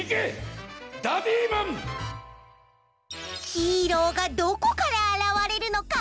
ヒーローがどこからあらわれるのか？